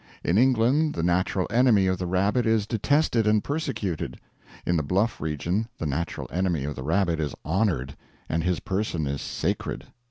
In England the natural enemy of the rabbit is detested and persecuted; in the Bluff region the natural enemy of the rabbit is honored, and his person is sacred.